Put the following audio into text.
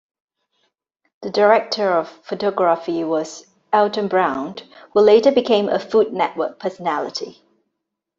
The director of photography was Alton Brown, who later became a Food Network personality.